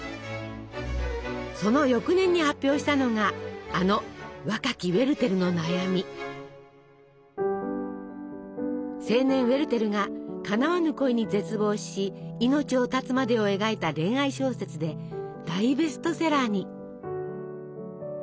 その翌年に発表したのがあの青年ウェルテルがかなわぬ恋に絶望し命を絶つまでを描いた恋愛小説で大ベストセラーに！